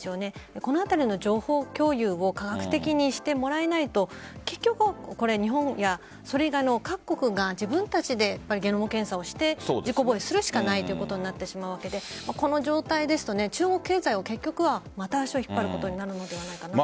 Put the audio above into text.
このあたりの情報共有を科学的にしてもらわないと結局、日本やそれ以外の各国が自分たちでゲノム検査をして自己防衛するしかないということになってしまうわけでこの状態ですと中国経済がまた足を引っ張ることになるのではないかと。